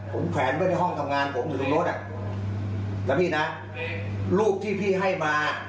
ผมแขวนไว้ในห้องทำงานผมอยู่ทุกรถแล้วพี่นะรูปที่พี่ให้มา